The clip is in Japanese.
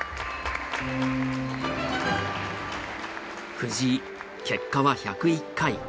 藤井結果は１０１回。